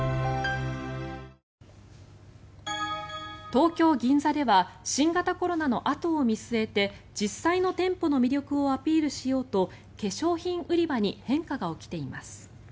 東京・銀座では新型コロナのあとを見据えて実際の店舗の魅力をアピールしようと化粧品売り場に変化が起きています。